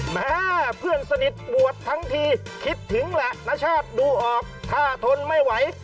แม่เพื่อนสนิทบวชทั้งทีคิดถึงแหละณชาติดูออกถ้าทนไม่ไหว